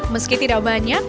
meski tidak banyak